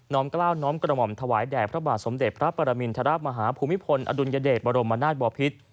กล้าวน้อมกระหม่อมถวายแด่พระบาทสมเด็จพระปรมินทรมาฮภูมิพลอดุลยเดชบรมนาศบอพิษ